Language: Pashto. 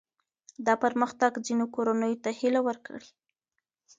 دا پرمختګ ځینو کورنیو ته هیله ورکړې.